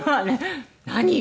「何よ！」